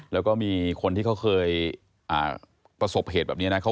แล้วก็มีคนที่เขาเคยประสบเหตุแบบนี้นะ